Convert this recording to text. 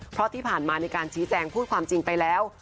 เพราะที่ผ่านมาในการชี้แจงพูดความจริงไปแล้ว